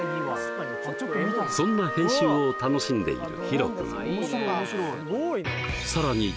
そんな編集を楽しんでいるヒロ君